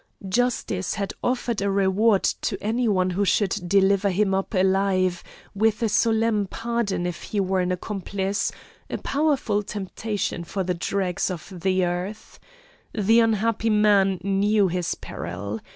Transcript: Justice had offered a reward to any one who should deliver him up alive, with a solemn pardon if he were an accomplice a powerful temptation for the dregs of the earth! The unhappy man knew his peril.